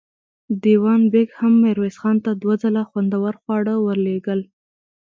دېوان بېګ هم ميرويس خان ته دوه ځله خوندور خواړه ور لېږل.